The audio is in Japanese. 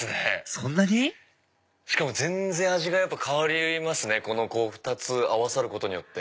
そんなに⁉しかも全然味が変わりますね２つ合わさることによって。